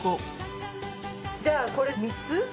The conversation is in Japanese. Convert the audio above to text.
じゃあこれ３つ？